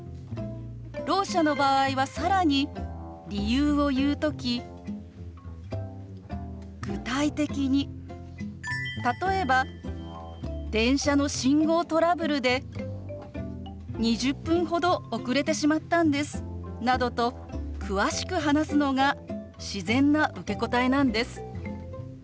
ろう者の場合は更に理由を言う時具体的に例えば電車の信号トラブルで２０分ほど遅れてしまったんですなどと詳しく話すのが自然な受け答えなんです。